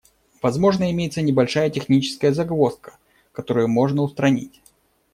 Возможно, имеется небольшая техническая загвоздка, которую можно устранить.